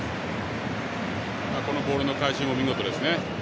このボールの回収も見事ですね。